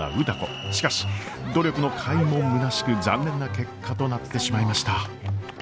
しかし努力のかいもむなしく残念な結果となってしまいました。